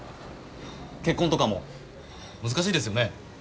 結婚とかも難しいですよね？